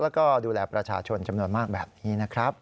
แล้วก็ดูแลประชาชนจำนวนมากแบบนี้นะครับ